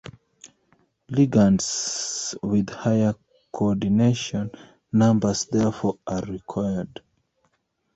Ligands with higher coordination numbers therefore are required.